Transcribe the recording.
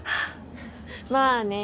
まあね。